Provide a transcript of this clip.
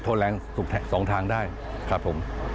ทนแหล่งสองทางได้ครับผม